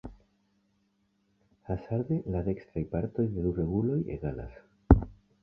Hazarde la dekstraj partoj de du reguloj egalas.